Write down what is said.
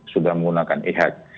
sudah menggunakan e hack